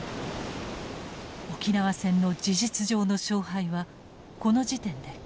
沖縄戦の事実上の勝敗はこの時点で決していた。